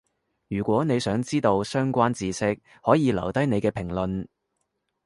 如果你想知到相關智識，可以留低你嘅評論